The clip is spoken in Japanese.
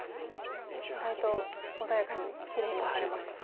意外と穏やかにきれいにワカれましたか。